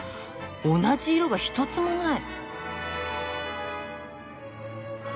同じ色が一つもない！